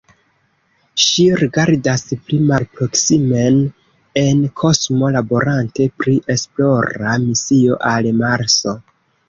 Ŝi rigardas pli malproksimen en kosmo, laborante pri esplora misio al Marso.